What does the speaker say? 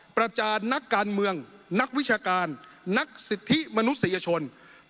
ประจานนักการเมืองนักวิชาการนักสิทธิมนุษยชน